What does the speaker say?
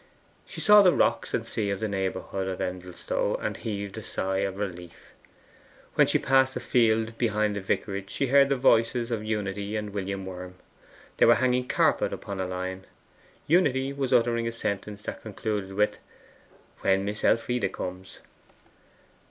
She saw the rocks and sea in the neighbourhood of Endelstow, and heaved a sigh of relief. When she passed a field behind the vicarage she heard the voices of Unity and William Worm. They were hanging a carpet upon a line. Unity was uttering a sentence that concluded with 'when Miss Elfride comes.